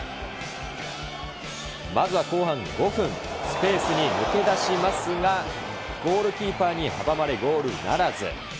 まずは後半５分、スペースに抜け出しますが、ゴールキーパーに阻まれ、ゴールならず。